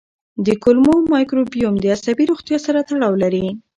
د کولمو مایکروبیوم د عصبي روغتیا سره تړاو لري.